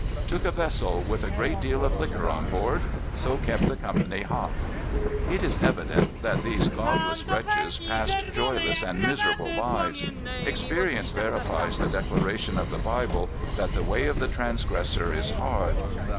"Took a vessel with a great deal of liquor on board; so kept the company hot." It is evident that these godless wretches passed joyless and miserable lives. Experience verifies the declaration of the Bible that "the way of the transgressor is hard."